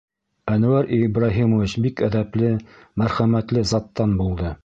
Әнүәр Ибраһимович бик әҙәпле, мәрхәмәтле заттан булды.